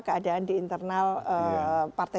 keadaan di internal partai